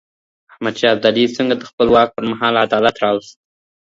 احمد شاه ابدالي څنګه د خپل واک پر مهال عدالت راوست؟